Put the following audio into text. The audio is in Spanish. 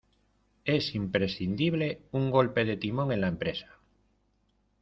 Es imprescindible un golpe de timón en la empresa.